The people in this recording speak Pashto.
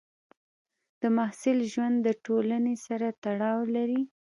د محصل ژوند د ټولنې سره تړاو لري.